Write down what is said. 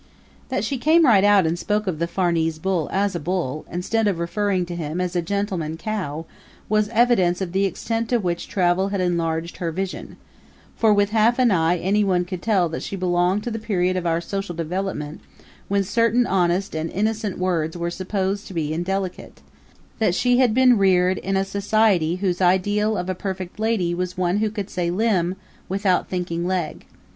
That she came right out and spoke of the Farnese Bull as a bull, instead of referring to him as a gentleman cow, was evidence of the extent to which travel had enlarged her vision, for with half an eye anyone could tell that she belonged to the period of our social development when certain honest and innocent words were supposed to be indelicate that she had been reared in a society whose ideal of a perfect lady was one who could say limb, without thinking leg.